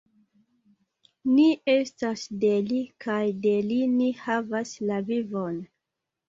Ni estas de Li kaj de Li ni havas la vivon!